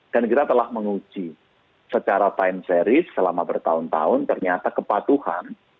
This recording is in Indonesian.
dan kita telah menguji secara time series selama bertahun tahun ternyata kepatuhan